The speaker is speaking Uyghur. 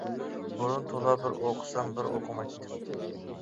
بۇرۇن تولا بىر ئوقۇسام بىر ئوقۇمايتتىم.